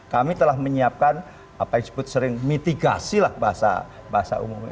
kami telah menyiapkan apa yang disebut sering mitigasi lah bahasa umumnya